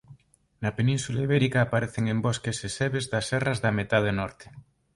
Na Península Ibérica aparece en bosques e sebes das serras da metade norte.